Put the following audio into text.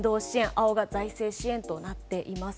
青が財政支援となっています。